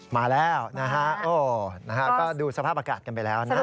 มาแล้วนะครับดูสภาพอากาศกันไปแล้วนะครับ